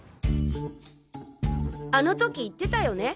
あの時言ってたよね？